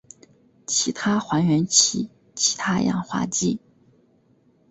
其他还原器其他氧化剂